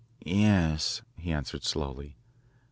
"Yes," he answered slowly.